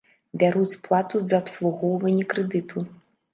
Бяруць плату за абслугоўванне крэдыту.